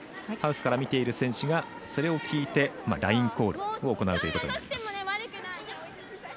ハウスから見ている選手がそれを聞いてラインコールを行います。